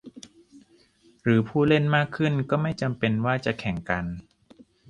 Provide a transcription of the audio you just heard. หรือผู้เล่นมากขึ้นก็ไม่จำเป็นว่าจะแข่งกัน ?